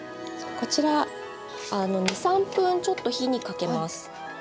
こちら２３分ちょっと火にかけます。